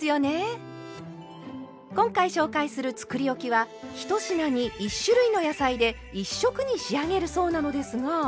今回紹介するつくりおきは１品に１種類の野菜で１色に仕上げるそうなのですが。